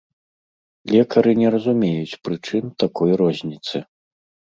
Лекары не разумеюць прычын такой розніцы.